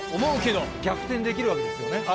逆転できるわけですよね？